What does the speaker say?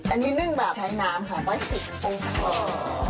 อันนี้นึ่งแบบใช้น้ำค่ะ๑๔๐โอ้โฮ